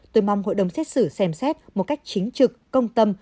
tôi mong hội đồng xét xử xem xét một cách chính trực công tâm